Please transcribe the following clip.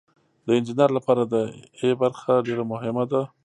د انجینر لپاره د ای برخه ډیره مهمه ده.